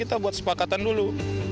kita buat sepakatan dulu